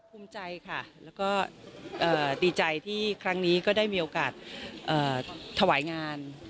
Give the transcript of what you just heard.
ภูมิใจค่ะแล้วก็ดีใจที่ครั้งนี้ก็ได้มีโอกาสถวายงาน